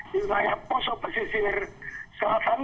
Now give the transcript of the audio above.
di wilayah poso pesisir selatan